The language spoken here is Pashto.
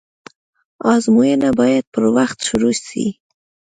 آزموينه بايد پر وخت شروع سي.